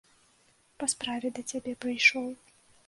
Па справе да цябе прыйшоў.